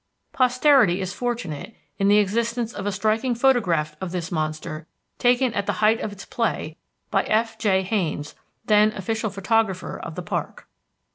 Posterity is fortunate in the existence of a striking photograph of this monster taken at the height of its play by F. Jay Haynes, then official photographer of the park.